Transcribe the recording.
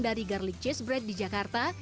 dari garlic cheese bread di jakarta